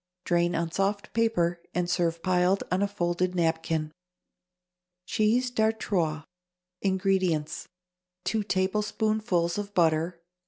Drain on soft paper and serve piled on a folded napkin. =Cheese d'Artois.= INGREDIENTS. 2 tablespoonfuls of butter.